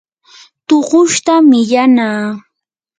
tuqushta millanaa.